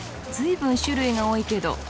随分種類が多いけど。